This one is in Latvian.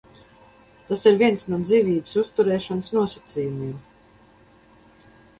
Tas ir viens no dzīvības uzturēšanas nosacījumiem.